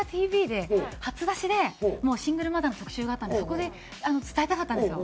ＴＶ』で初出しでシングルマザーの特集があったんでそこで伝えたかったんですよ。